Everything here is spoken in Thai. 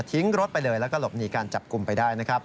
ทิ้งรถไปเลยแล้วก็หลบหนีการจับกลุ่มไปได้นะครับ